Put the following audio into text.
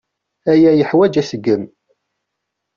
Aya yeḥwaǧ aseggem.